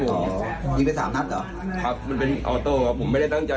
ยิงไปสามนัดเหรอครับมันเป็นออโต้ครับผมไม่ได้ตั้งใจ